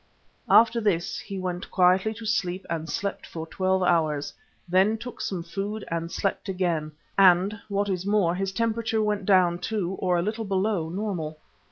After this he went quietly to sleep and slept for twelve hours, then took some food and slept again and, what is more, his temperature went down to, or a little below, normal.